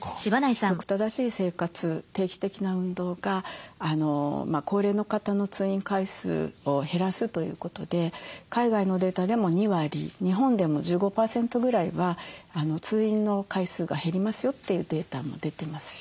規則正しい生活定期的な運動が高齢の方の通院回数を減らすということで海外のデータでも２割日本でも１５％ぐらいは通院の回数が減りますよというデータも出てますし。